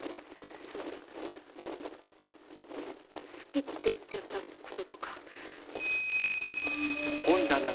その「好き」って言っちゃったこととか。